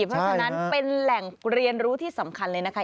เพราะฉะนั้นเป็นแหล่งเรียนรู้ที่สำคัญเลยนะคะ